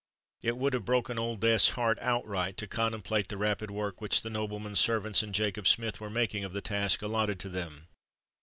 It would have broken Old Death's heart outright to contemplate the rapid work which the nobleman's servants and Jacob Smith were making of the task allotted to them.